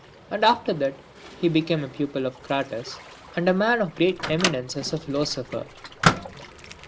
And after that, he became a pupil of Crates, and a man of great eminence as a philosopher.